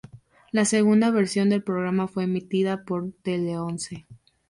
La segunda versión del programa fue emitida por Teleonce.